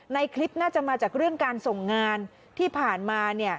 ในคลิปน่าจะมาจากเรื่องการส่งงานที่ผ่านมา